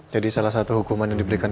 jadi salah satu hukuman yang diberikan